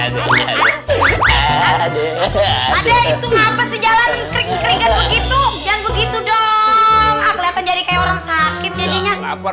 belal itu ngapa sejalan bikin begitu begitu dong petunj schmidt orang sakit niatnya lapar